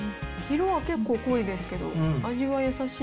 色は結構濃いですけど、味は優しい。